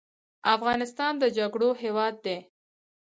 افغانستان د جګړو هیواد دی